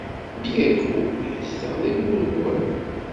Diego yezdeɣ deg Urugway.